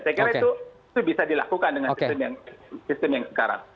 saya kira itu bisa dilakukan dengan sistem yang sekarang